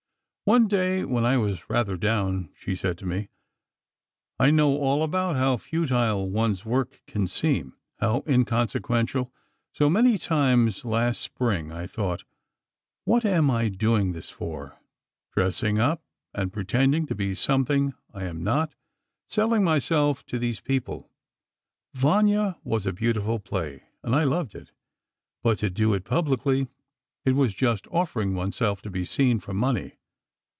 One day, when I was rather down, she said to me: "I know all about how futile one's work can seem—how inconsequential. So many times last Spring I thought: 'What am I doing this for? Dressing up and pretending to be something I am not—selling myself to these people. 'Vanya' was a beautiful play, and I loved it ... but to do it publicly. It was just offering oneself to be seen, for money.